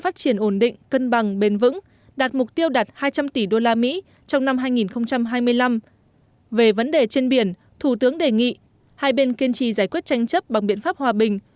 trên biển thủ tướng đề nghị hai bên kiên trì giải quyết tranh chấp bằng biện pháp hòa bình